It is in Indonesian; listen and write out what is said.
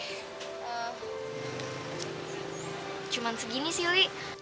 cuma segini sih li